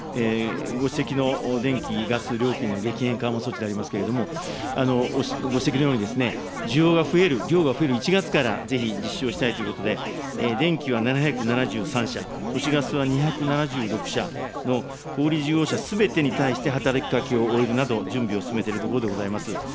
ご指摘の電気ガス料金の激変緩和措置でありますけれども、ご指摘のように、需要が増える、量が増える１月からぜひ実施をしたいということで、電気は７７３社、都市ガスは２７６社の小売り事業者すべてに対して働きかけを終えるなど、準備を進めているところでございます。